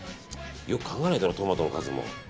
よく考えないとなトマトの数も。